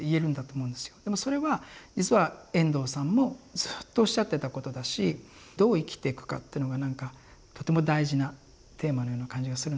でもそれは実は遠藤さんもずっとおっしゃってたことだしどう生きてくかっていうのが何かとても大事なテーマのような感じがするんですよね。